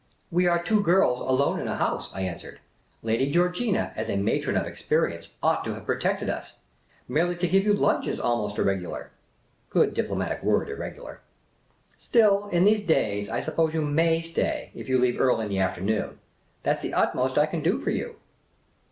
We are two girls, alone in a house," I answered. " Lady Georgina, as a matron of experience, ought to have pro tected us. Merely to give you lunch is almost irregular." "I MAY STAY, MAY N'T I?" (Good diplomatic word, irregular.) " Still, in these days, I suppose you may stay, if you leave early in the afternoon. That 's the utmost I can do for you."